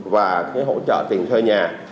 và cái hỗ trợ tiền thơ nhà